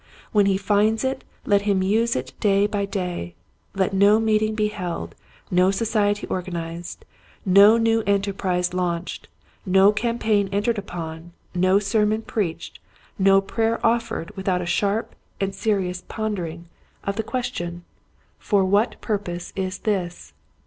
When he finds it let him use it day by day. Let no meeting be held, no society organized, no new enterprise launched, no campaign entered upon, no sermon preached, no prayer offered without a sharp and serious pondering of the ques The Value of a Target. 91 tion, For what purpose is this